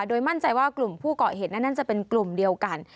โดยมั่นใจว่ากลุ่มผู้เกาะเหตุนั้นจะเป็นกลุ่มเดียวกัน